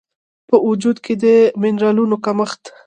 په وجود کې د مېنرالونو کمښت